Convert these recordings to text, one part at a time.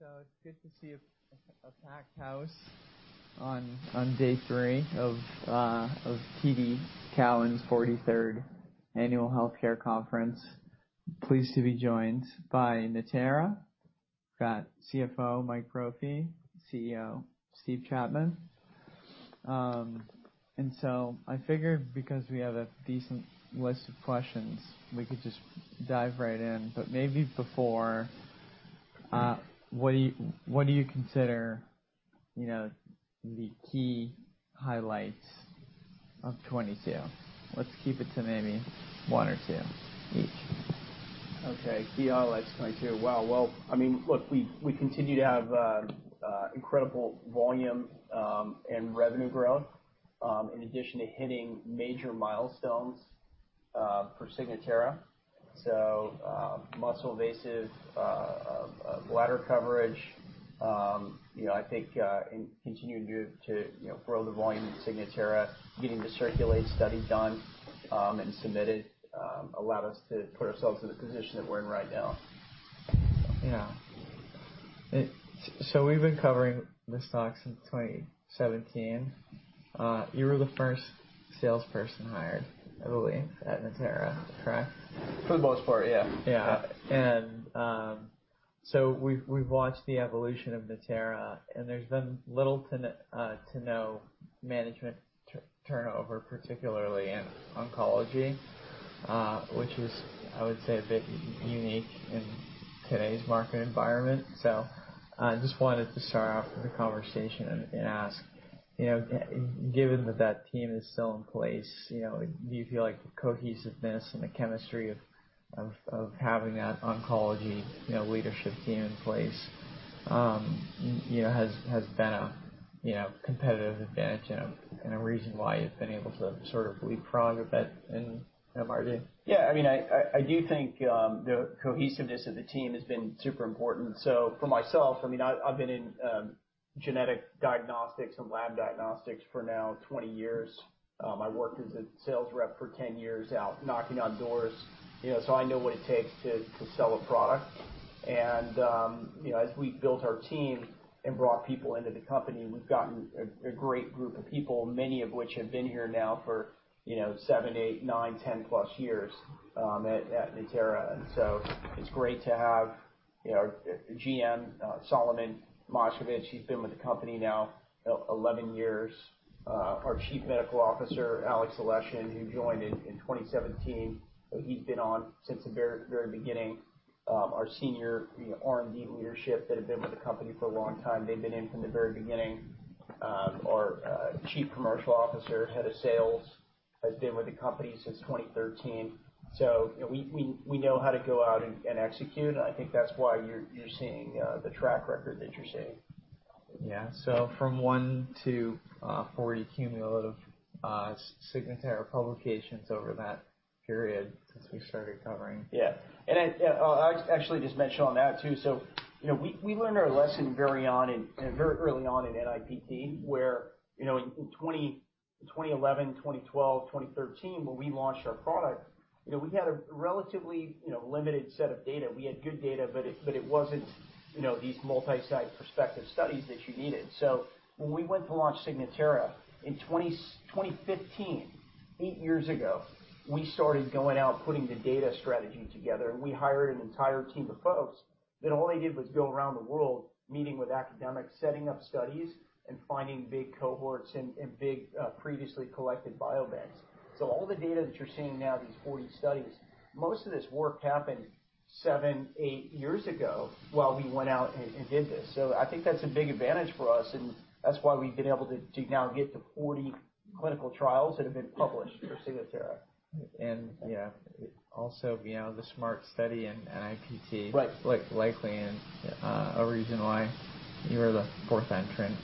All right. It's good to see a packed house on day three of TD Cowen's 43rd Annual Healthcare Conference. Pleased to be joined by Natera. Got CFO Mike Brophy, CEO Steve Chapman. I figured because we have a decent list of questions, we could just dive right in. But maybe before, what do you consider, you know, the key highlights of 2022? Let's keep it to maybe one or two each. Okay. Key highlights, 2022. Wow. Well, I mean, look, we continue to have incredible volume and revenue growth in addition to hitting major milestones for Signatera. Muscle-invasive bladder coverage. You know, I think in continuing to grow the volume in Signatera, getting the CIRCULATE study done and submitted allowed us to put ourselves in the position that we're in right now. We've been covering the stocks since 2017. You were the first salesperson hired, I believe, at Natera, correct? For the most part, yeah. Yeah. We've watched the evolution of Natera, and there's been little to no management turnover, particularly in oncology, which is, I would say, a bit unique in today's market environment. Just wanted to start off with the conversation and ask, you know, given that that team is still in place, you know, do you feel like the cohesiveness and the chemistry of having that oncology, you know, leadership team in place, you know, has been a, you know, competitive advantage and a, and a reason why you've been able to sort of leapfrog a bit in, you know, margin? I mean, I, I do think the cohesiveness of the team has been super important. For myself, I mean, I've been in genetic diagnostics and lab diagnostics for now 20 years. I worked as a sales rep for 10 years out knocking on doors, you know, so I know what it takes to sell a product. You know, as we built our team and brought people into the company, we've gotten a great group of people, many of which have been here now for, you know, seven, eight, nine, 10+ years at Natera. It's great to have, you know, our GM Solomon Moshkevich, he's been with the company now 11 years. Our Chief Medical Officer Alexey Aleshin, who joined in 2017, but he'd been on since the very beginning. Our senior R&D leadership that have been with the company for a long time, they've been in from the very beginning. Our Chief Commercial Officer, Head of Sales, has been with the company since 2013. We know how to go out and execute, and I think that's why you're seeing the track record that you're seeing. Yeah. From one to 40 cumulative Signatera publications over that period since we started covering. Yeah. I'll actually just mention on that too. You know, we learned our lesson very early on in NIPT, where, you know, in 2011, 2012, 2013, when we launched our product, you know, we had a relatively, you know, limited set of data. We had good data, but it, but it wasn't, you know, these multi-site prospective studies that you needed. When we went to launch Signatera in 2015, eight years ago, we started going out, putting the data strategy together, and we hired an entire team of folks that all they did was go around the world meeting with academics, setting up studies, and finding big cohorts and big previously collected biobanks. All the data that you're seeing now, these 40 studies, most of this work happened seven, eight years ago while we went out and did this. I think that's a big advantage for us, and that's why we've been able to now get to 40 clinical trials that have been published for Signatera. Yeah, also, you know, the SMART study in NIPT. Right. Like, likely and, a reason why you're the fourth entrant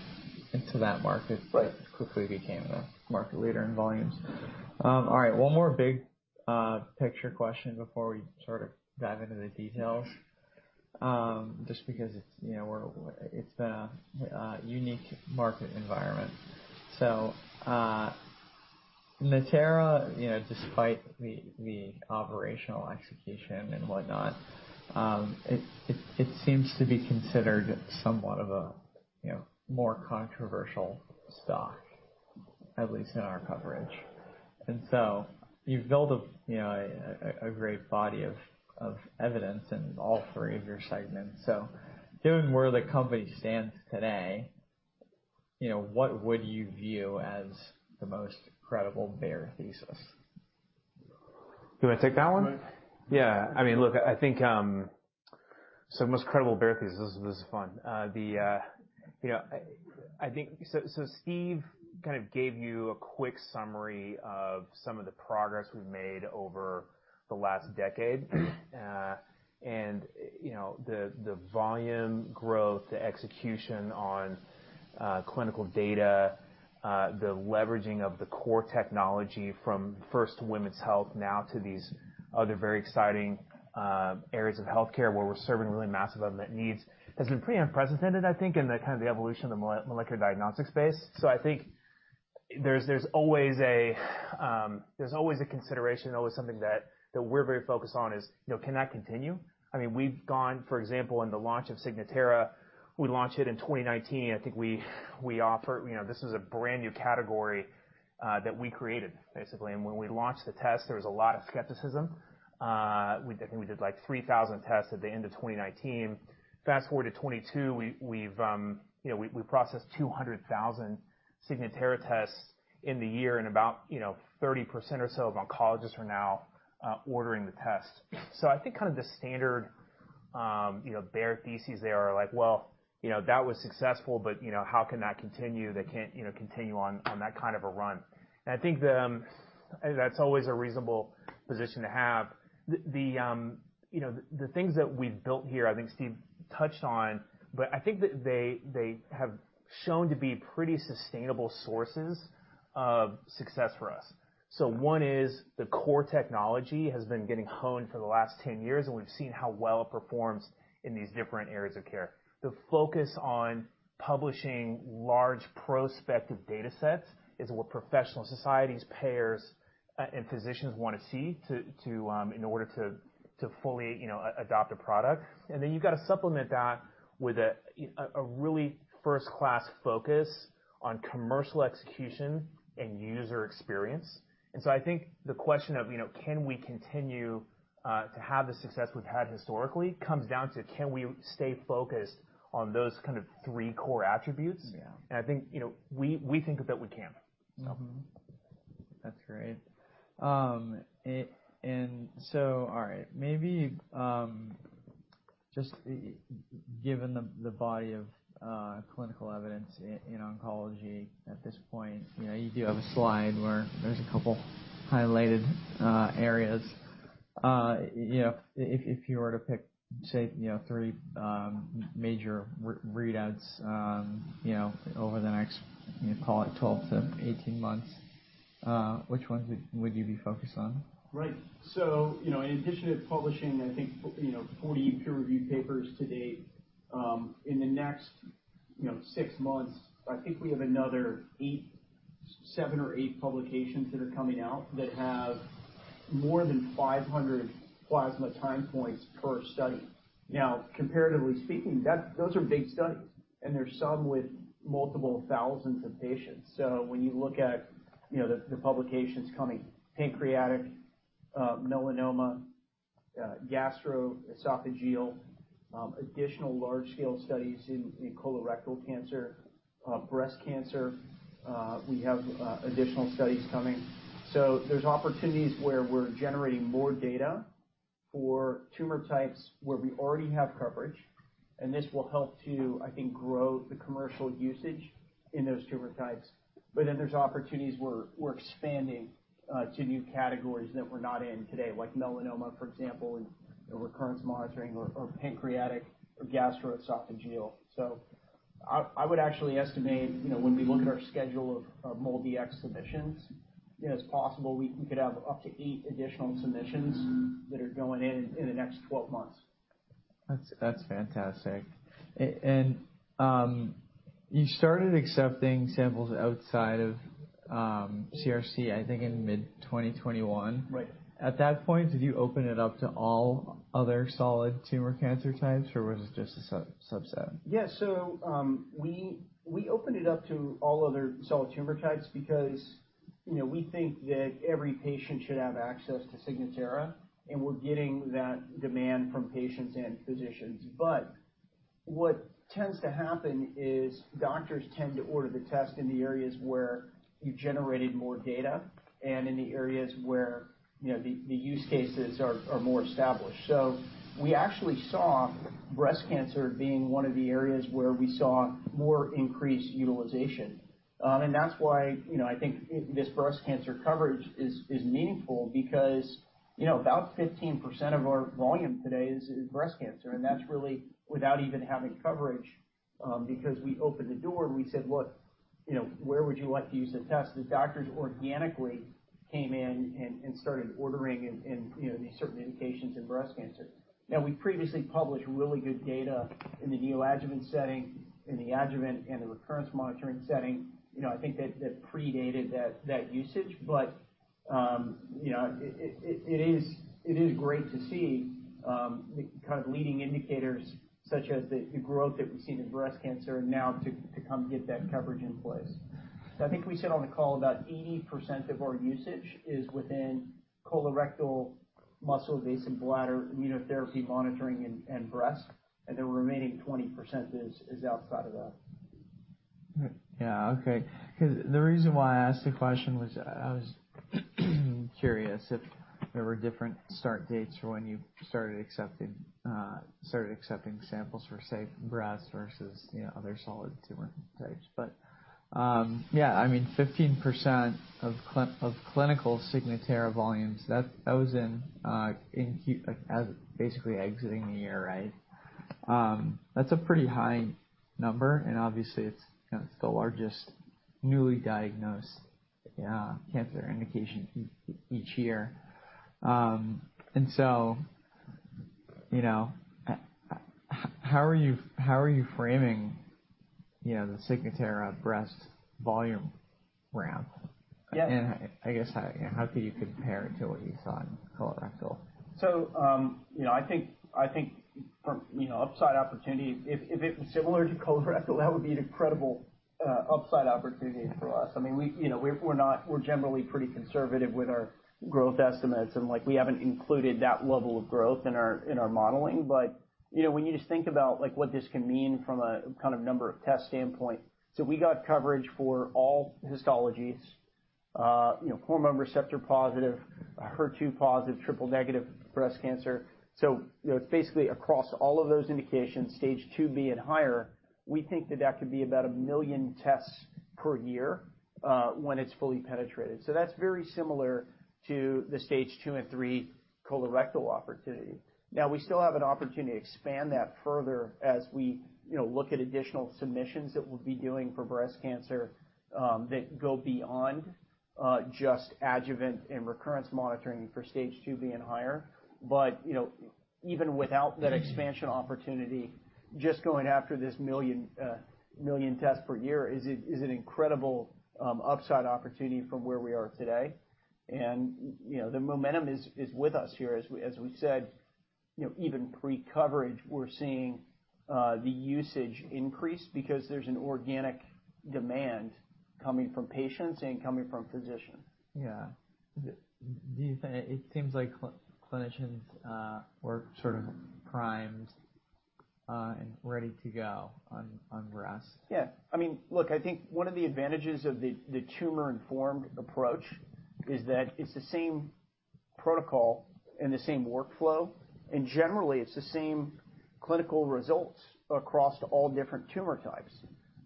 into that market. Right. Quickly became the market leader in volumes. All right, one more big picture question before we sort of dive into the details. Just because it's, you know, it's been a unique market environment. Natera, you know, despite the operational execution and whatnot, it seems to be considered somewhat of a, you know, more controversial stock, at least in our coverage. You've built a, you know, a great body of evidence in all three of your segments. Given where the company stands today, you know, what would you view as the most credible bear thesis? You wanna take that one? Mm-hmm. Yeah. I mean, look, I think, so most credible bear thesis. This is fun. The, you know, Steve kind of gave you a quick summary of some of the progress we've made over the last decade. You know, the volume growth, the execution on clinical data, the leveraging of the core technology from first women's health now to these other very exciting areas of healthcare where we're serving really massive unmet needs, has been pretty unprecedented, I think, in the kind of the evolution of molecular diagnostics space. I think there's always a, there's always a consideration, always something that we're very focused on is, you know, can that continue? I mean, we've gone, for example, in the launch of Signatera, we launched it in 2019. I think we offered, you know, this is a brand-new category that we created, basically. When we launched the test, there was a lot of skepticism. I think we did, like, 3,000 tests at the end of 2019. Fast-forward to 2022, we've, you know, processed 200,000 Signatera tests in the year, and about, you know, 30% or so of oncologists are now ordering the test. I think kind of the standard, you know, bare thesis there are like, well, you know, that was successful, but, you know, how can that continue? That can't, you know, continue on that kind of a run. I think that's always a reasonable position to have. The, you know, the things that we've built here, I think Steve touched on, but I think that they have shown to be pretty sustainable sources of success for us. One is the core technology has been getting honed for the last 10 years, and we've seen how well it performs in these different areas of care. The focus on publishing large prospective datasets is what professional societies, payers, and physicians wanna see to, in order to fully, you know, adopt a product. Then you've got to supplement that with a really first-class focus on commercial execution and user experience. I think the question of, you know, can we continue to have the success we've had historically comes down to can we stay focused on those kind of three core attributes? Yeah. I think, you know, we think that we can. Mm-hmm. That's great. All right, maybe just given the body of clinical evidence in oncology at this point, you know, you do have a slide where there's a couple highlighted areas. You know, if you were to pick, say, you know, three major re-readouts, you know, over the next, call it 12 to 18 months, which ones would you be focused on? Right. you know, in addition to publishing, I think, you know, 40 peer-reviewed papers to date, in the next, you know, six months, I think we have another seven or eight publications that are coming out that have more than 500 plasma time points per study. Comparatively speaking, those are big studies, and there's some with multiple thousands of patients. When you look at, you know, the publications coming, pancreatic, melanoma, gastroesophageal, additional large-scale studies in colorectal cancer, breast cancer, we have additional studies coming. There's opportunities where we're generating more data for tumor types where we already have coverage, and this will help to, I think, grow the commercial usage in those tumor types. There's opportunities where we're expanding to new categories that we're not in today, like melanoma, for example, in recurrence monitoring or pancreatic or gastroesophageal. I would actually estimate, you know, when we look at our schedule of MolDX submissions, you know, it's possible we could have up to 8 additional submissions that are going in in the next 12 months. That's fantastic. You started accepting samples outside of, CRC, I think, in mid-2021. Right. At that point, did you open it up to all other solid tumor cancer types, or was it just a sub-subset? Yeah. We opened it up to all other solid tumor types because, you know, we think that every patient should have access to Signatera, and we're getting that demand from patients and physicians. What tends to happen is doctors tend to order the test in the areas where you've generated more data and in the areas where, you know, the use cases are more established. We actually saw breast cancer being one of the areas where we saw more increased utilization. That's why, you know, I think this breast cancer coverage is meaningful because, you know, about 15% of our volume today is breast cancer, and that's really without even having coverage, because we opened the door and we said, "Look, you know, where would you like to use the test?" The doctors organically came in and started ordering in, you know, these certain indications in breast cancer. We previously published really good data in the neoadjuvant setting, in the adjuvant and the recurrence monitoring setting. You know, I think that predated that usage. You know, it is great to see the kind of leading indicators such as the growth that we see in breast cancer now to come get that coverage in place. I think we said on the call about 80% of our usage is within colorectal, muscle-invasive bladder, immunotherapy monitoring and breast, and the remaining 20% is outside of that. Yeah. Okay. 'Cause the reason why I asked the question was I was curious if there were different start dates for when you started accepting samples for, say, breast versus, you know, other solid tumor types. Yeah, I mean, 15% of clinical Signatera volumes, that was in basically exiting the year, right? That's a pretty high number, and obviously it's, you know, it's the largest newly diagnosed cancer indication each year. You know, how are you framing, you know, the Signatera breast volume ramp? Yes. I guess how, you know, how could you compare it to what you saw in colorectal? You know, I think, I think from, you know, upside opportunity, if it was similar to colorectal, that would be an incredible upside opportunity for us. I mean, we, you know, we're generally pretty conservative with our growth estimates and, like, we haven't included that level of growth in our, in our modeling. You know, when you just think about, like, what this can mean from a kind of number of test standpoint, we got coverage for all histologies, you know, hormone receptor positive, HER2 positive, triple negative breast cancer. You know, basically across all of those indications, stage IIB and higher, we think that that could be about 1 million tests per year when it's fully penetrated. That's very similar to the stage II and III colorectal opportunity. Now, we still have an opportunity to expand that further as we, you know, look at additional submissions that we'll be doing for breast cancer that go beyond just adjuvant and recurrence monitoring for stage IIB and higher. You know, even without that expansion opportunity, just going after this 1 million tests per year is an incredible upside opportunity from where we are today. You know, the momentum is with us here. As we, as we said, you know, even pre-coverage, we're seeing the usage increase because there's an organic demand coming from patients and coming from physicians. Yeah. Do you think... It seems like clinicians were sort of primed and ready to go on breast. I mean, look, I think one of the advantages of the tumor-informed approach is that it's the same protocol and the same workflow, and generally it's the same clinical results across all different tumor types.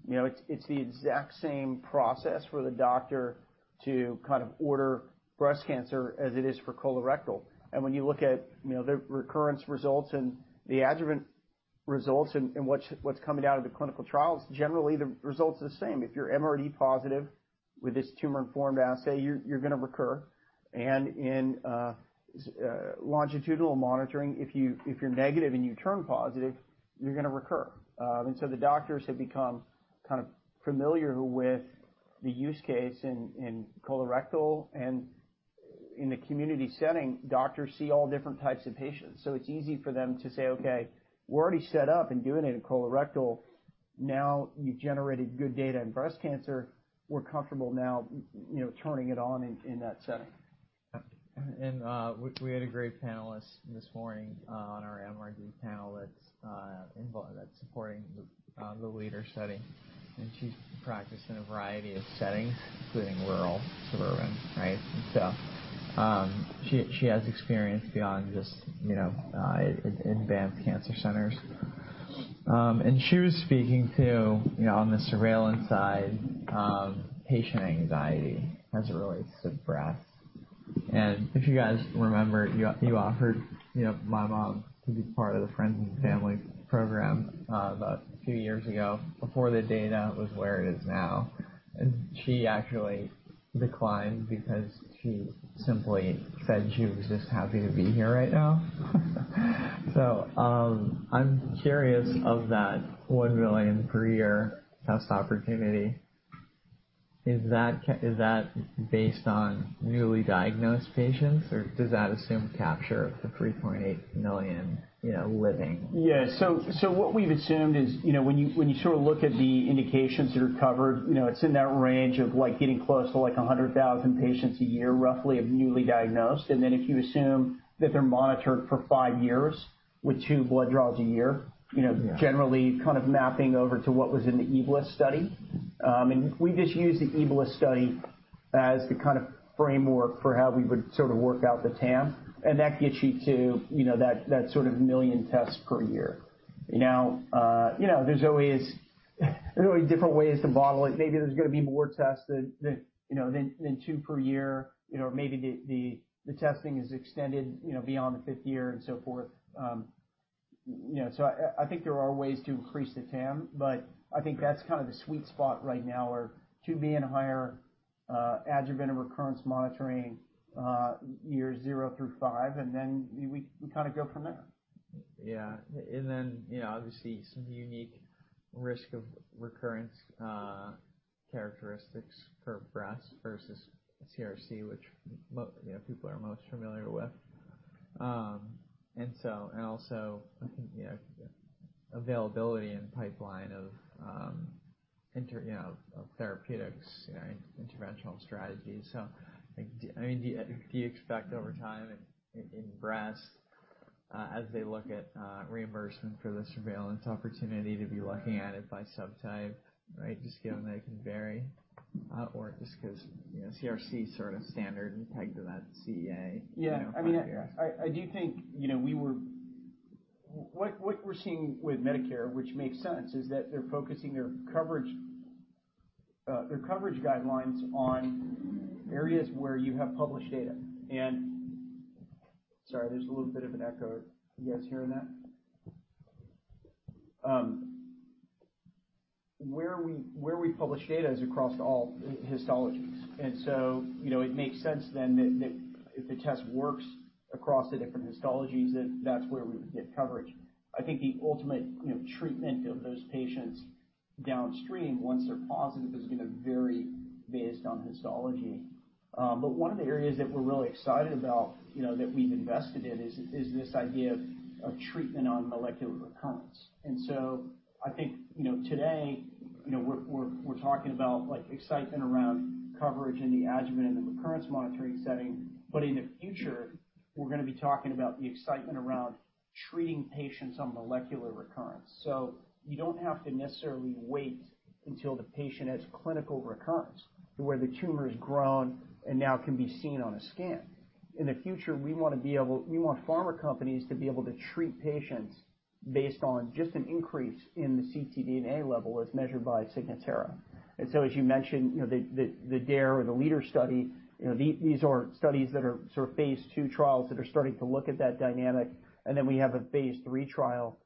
You know, it's the exact same process for the doctor to kind of order breast cancer as it is for colorectal. When you look at, you know, the recurrence results and the adjuvant results and what's coming out of the clinical trials, generally the results are the same. If you're MRD positive with this tumor-informed assay, you're gonna recur. In longitudinal monitoring, if you, if you're negative and you turn positive, you're gonna recur. The doctors have become kind of familiar with the use case in colorectal and in the community setting, doctors see all different types of patients, so it's easy for them to say, "Okay, we're already set up and doing it in colorectal. Now you've generated good data in breast cancer. We're comfortable now, you know, turning it on in that setting. We had a great panelist this morning on our MRD panel that's supporting the LEADER study, and she's practiced in a variety of settings, including rural, suburban, right? She has experience beyond just, you know, advanced cancer centers. She was speaking to, you know, on the surveillance side, patient anxiety has a really sick breath. If you guys remember, you offered, you know, my mom to be part of the Friends and Family program about two years ago before the data was where it is now. She actually declined because she simply said she was just happy to be here right now. I'm curious of that 1 million per year test opportunity. Is that based on newly diagnosed patients, or does that assume capture of the 3.8 million, you know, living? What we've assumed is, you know, when you, when you sort of look at the indications that are covered, you know, it's in that range of like getting close to like 100,000 patients a year roughly of newly diagnosed. If you assume that they're monitored for five years with two blood draws a year- Yeah. You know, generally kind of mapping over to what was in the EBLIS study. We just use the EBLIS study as the kind of framework for how we would sort out the TAM, and that gets you to, you know, that sort of 1 million tests per year. There's always, there are always different ways to model it. Maybe there's gonna be more tests than two per year. You know, maybe the testing is extended, you know, beyond the fifth year and so forth. You know, so I think there are ways to increase the TAM, but I think that's kind of the sweet spot right now where IIB and higher, adjuvant and recurrence monitoring, year zero through five, and then we kinda go from there. Yeah. You know, obviously some unique risk of recurrence, characteristics for breast versus CRC, which you know, people are most familiar with. I think, you know, availability and pipeline of, you know, of therapeutics, you know, interventional strategies. Like, I mean, do you, do you expect over time in breast, as they look at, reimbursement for the surveillance opportunity to be looking at it by subtype, right? Just given that it can vary, or just 'cause, you know, CRC is sort of standard and pegged to that CEA, you know, marker. Yeah. I mean, I do think, you know, what we're seeing with Medicare, which makes sense, is that they're focusing their coverage, their coverage guidelines on areas where you have published data. Sorry, there's a little bit of an echo. You guys hearing that? Where we publish data is across all histologies. You know, it makes sense then that if the test works across the different histologies, that that's where we would get coverage. I think the ultimate, you know, treatment of those patients downstream once they're positive is gonna vary based on histology. One of the areas that we're really excited about, you know, that we've invested in is this idea of treatment on molecular recurrence. I think, you know, today, you know, we're talking about like excitement around coverage in the adjuvant and the recurrence monitoring setting. In the future, we're gonna be talking about the excitement around treating patients on molecular recurrence. You don't have to necessarily wait until the patient has clinical recurrence, to where the tumor has grown and now can be seen on a scan. In the future, we want pharma companies to be able to treat patients based on just an increase in the ctDNA level as measured by Signatera. As you mentioned, you know, the DARE or the LEADER study, you know, these are studies that are sort of phase II trials that are starting to look at that dynamic. We have a phase III trial,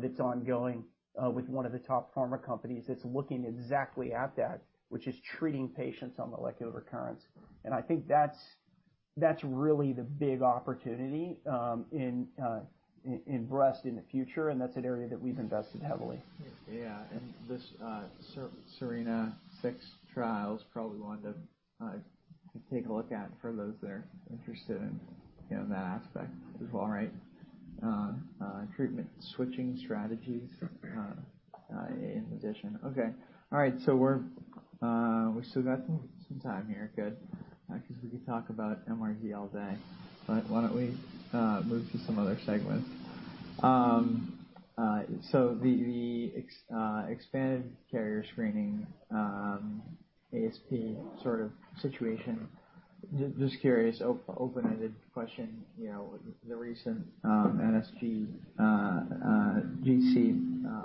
that's ongoing, with one of the top pharma companies that's looking exactly at that, which is treating patients on molecular recurrence. I think that's really the big opportunity, in breast in the future, and that's an area that we've invested heavily. Yeah. This SERENA-6 trials probably one to take a look at for those that are interested in, you know, that aspect as well, right? Treatment switching strategies in addition. Okay. All right. We've still got some time here. Good. 'Cause we could talk about MRD all day, but why don't we move to some other segments? The expanded carrier screening, ASP sort of situation. Just curious, open-ended question, you know, the recent NSGC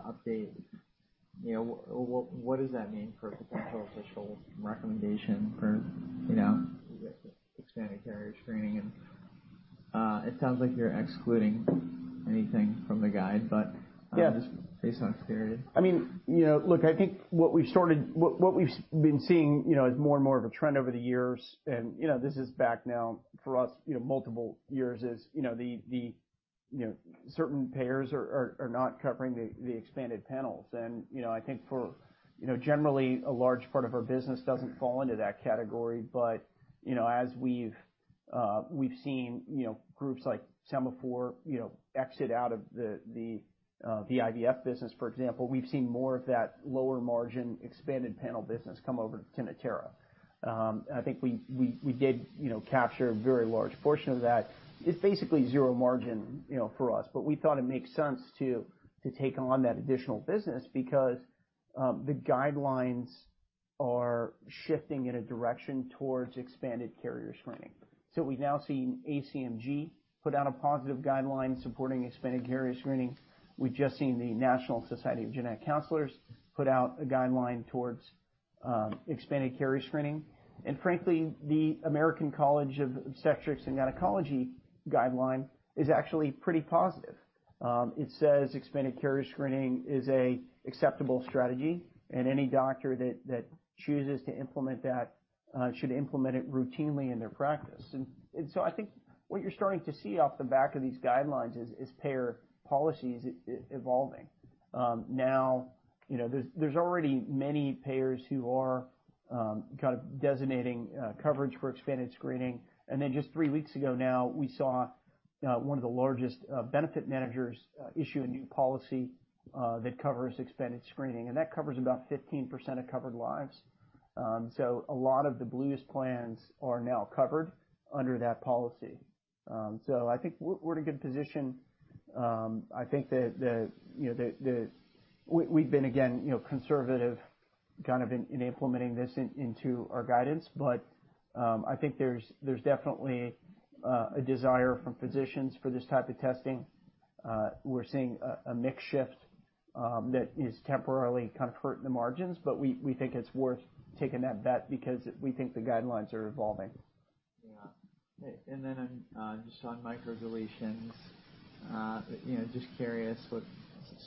update. You know, what does that mean for potential official recommendation for, you know, expanded carrier screening? It sounds like you're excluding anything from the guide, but- Yeah. Just based on experience. Look, I think what we've been seeing, you know, as more and more of a trend over the years and, you know, this is back now for us, you know, multiple years is, you know, the, you know, certain payers are not covering the expanded panels. And, you know, I think for, you know, generally a large part of our business doesn't fall into that category, but, you know, as we've seen, you know, groups like Sema4, you know, exit out of the IVF business, for example, we've seen more of that lower margin expanded panel business come over to Signatera. And I think we did, you know, capture a very large portion of that. It's basically zero margin, you know, for us We thought it makes sense to take on that additional business because the guidelines are shifting in a direction towards expanded carrier screening. We've now seen ACMG put out a positive guideline supporting expanded carrier screening. We've just seen the National Society of Genetic Counselors put out a guideline towards expanded carrier screening. The American College of Obstetricians and Gynecologists guideline is actually pretty positive. It says expanded carrier screening is a acceptable strategy, and any doctor that chooses to implement that should implement it routinely in their practice. I think what you're starting to see off the back of these guidelines is payer policies evolving. Now, you know, there's already many payers who are kind of designating coverage for expanded screening. Just three weeks ago now, we saw one of the largest benefit managers issue a new policy that covers expanded screening, and that covers about 15% of covered lives. A lot of the bluest plans are now covered under that policy. I think we're in a good position. I think that, you know, we've been, again, you know, conservative kind of in implementing this into our guidance, but I think there's definitely a desire from physicians for this type of testing. We're seeing a mix shift that is temporarily kind of hurting the margins, but we think it's worth taking that bet because we think the guidelines are evolving. Yeah. Just on microdeletions, you know, just curious what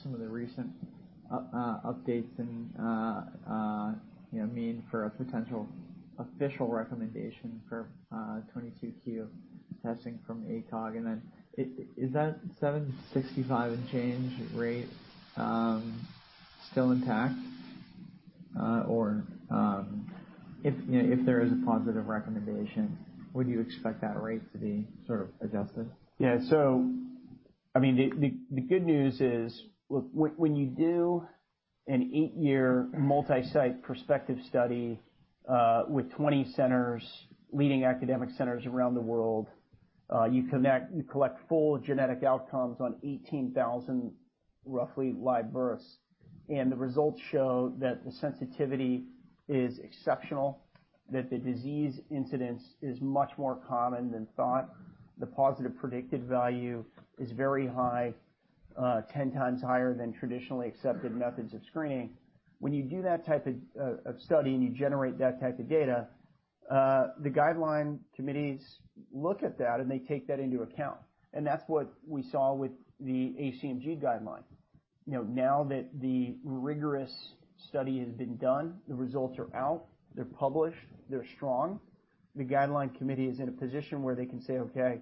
some of the recent updates and, you know, mean for a potential official recommendation for 22q testing from ACOG. Is that $765 and change rate still intact? Or, if, you know, if there is a positive recommendation, would you expect that rate to be sort of adjusted? Yeah. I mean, the, the good news is when you do an eight-year multi-site prospective study, with 20 centers, leading academic centers around the world, you collect full genetic outcomes on 18,000 roughly live births. The results show that the sensitivity is exceptional, that the disease incidence is much more common than thought. The positive predictive value is very high, 10 times higher than traditionally accepted methods of screening. When you do that type of study and you generate that type of data. The guideline committees look at that and they take that into account. That's what we saw with the ACMG guideline. You know, now that the rigorous study has been done, the results are out, they're published, they're strong. The guideline committee is in a position where they can say, "Okay,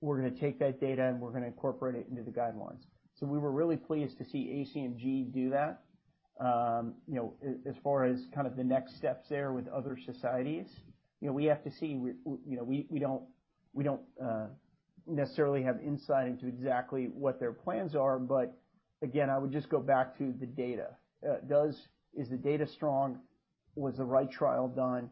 we're gonna take that data and we're gonna incorporate it into the guidelines." We were really pleased to see ACMG do that. you know, as far as kind of the next steps there with other societies. you know, we don't necessarily have insight into exactly what their plans are. Again, I would just go back to the data. Is the data strong? Was the right trial done?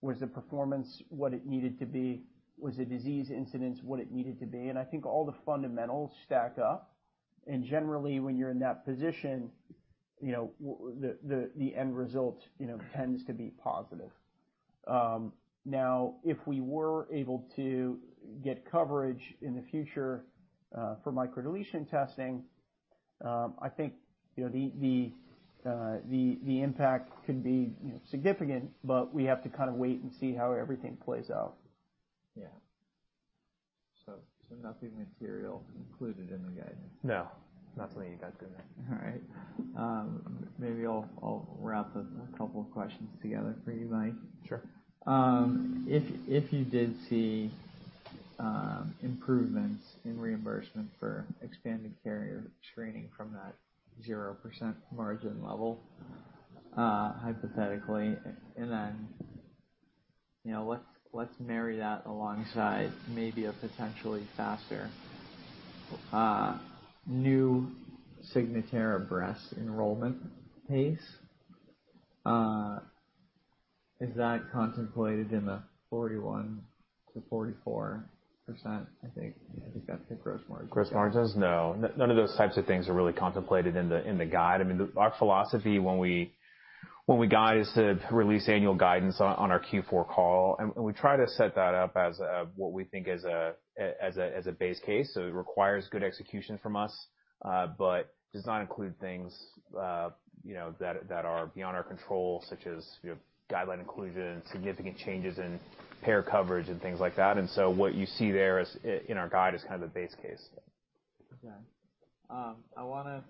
Was the performance what it needed to be? Was the disease incidence what it needed to be? I think all the fundamentals stack up. Generally, when you're in that position, you know, the end result, you know, tends to be positive. If we were able to get coverage in the future, for microdeletion testing, I think, you know, the impact could be, you know, significant, but we have to kind of wait and see how everything plays out. Yeah. Nothing material included in the guidance? No, nothing any of that's in there. All right. Maybe I'll wrap a couple of questions together for you, Mike. Sure. If you did see, improvements in reimbursement for expanded carrier screening from that 0% margin level, hypothetically, and then, you know, let's marry that alongside maybe a potentially faster, new Signatera breast enrollment pace, is that contemplated in the 41%-44%, I think. Yeah, I think that's the gross margin. Gross margins? No. None of those types of things are really contemplated in the guide. I mean, our philosophy when we guide is to release annual guidance on our Q4 call, and we try to set that up as what we think is as a base case. It requires good execution from us, but does not include things, you know, that are beyond our control, such as, you know, guideline inclusion, significant changes in payer coverage and things like that. What you see there is in our guide is kind of the base case. Okay. I wanna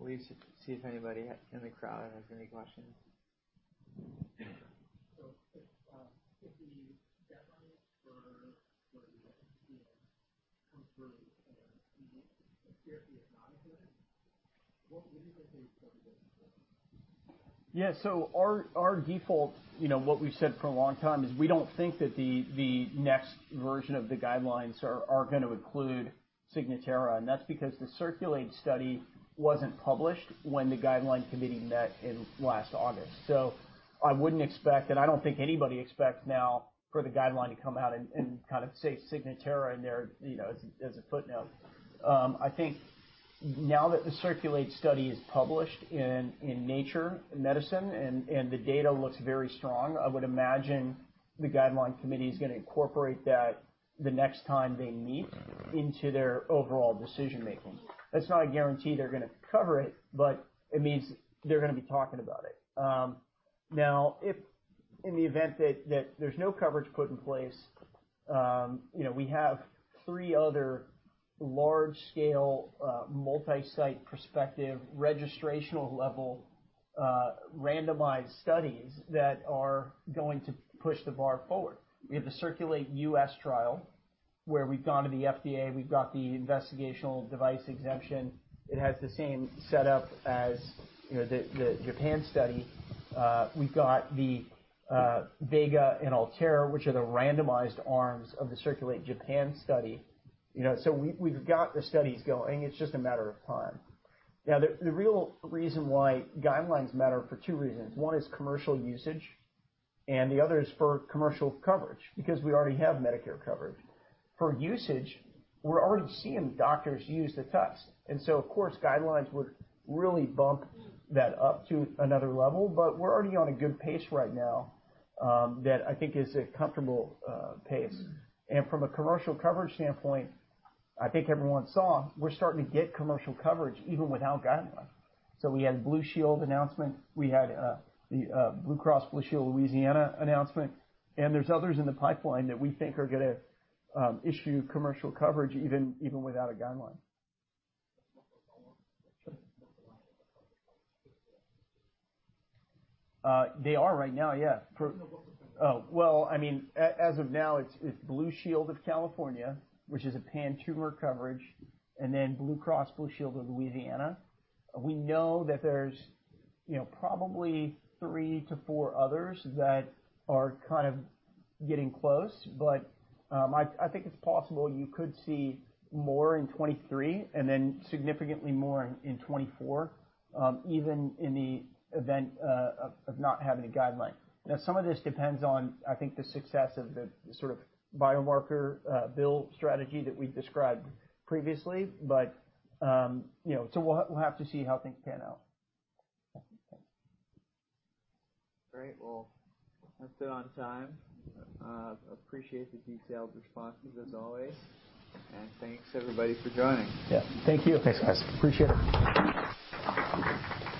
at least see if anybody in the crowd has any questions. If the guidelines for the NCCN comes through and it appears to be economically, what do you think they? Our default, you know, what we've said for a long time is we don't think that the next version of the guidelines are gonna include Signatera, and that's because the CIRCULATE study wasn't published when the guideline committee met last August. I wouldn't expect, and I don't think anybody expects now for the guideline to come out and kind of say Signatera in there, you know, as a footnote. I think now that the CIRCULATE study is published in Nature Medicine and the data looks very strong, I would imagine the guideline committee is gonna incorporate that the next time they meet into their overall decision making. That's not a guarantee they're gonna cover it, but it means they're gonna be talking about it. Now if in the event that there's no coverage put in place, you know, we have three other large scale, multi-site perspective, registrational level, randomized studies that are going to push the bar forward. We have the CIRCULATE-U.S. trial, where we've gone to the FDA, we've got the investigational device exemption. It has the same setup as, you know, the CIRCULATE-Japan study. We've got the VEGA and ALTAIR, which are the randomized arms of the CIRCULATE-Japan study. You know, we've got the studies going. It's just a matter of time. Now, the real reason why guidelines matter for two reasons. One is commercial usage and the other is for commercial coverage because we already have Medicare coverage. For usage, we're already seeing doctors use the test. Of course, guidelines would really bump that up to another level, but we're already on a good pace right now, that I think is a comfortable pace. From a commercial coverage standpoint, I think everyone saw we're starting to get commercial coverage even without guidelines. We had Blue Shield announcement, we had the Blue Cross Blue Shield Louisiana announcement, and there's others in the pipeline that we think are gonna issue commercial coverage even without a guideline. They are right now, yeah. Oh, well, I mean, as of now it's Blue Shield of California, which is a pan-tumor coverage, and then Blue Cross Blue Shield of Louisiana. We know that there's, you know, probably three to four others that are kind of getting close. I think it's possible you could see more in 2023 and then significantly more in 2024, even in the event of not having a guideline. Now, some of this depends on, I think, the success of the sort of biomarker bill strategy that we've described previously. You know, we'll have to see how things pan out. Great. Well, that's it on time. Appreciate the detailed responses as always. Thanks everybody for joining. Yeah. Thank you. Thanks, guys. Appreciate it.